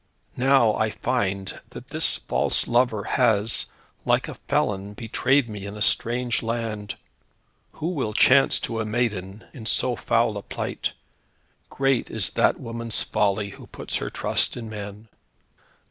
Now I find that this false lover, has, like a felon, betrayed me in a strange land. What will chance to a maiden in so foul a plight? Great is that woman's folly who puts her trust in man."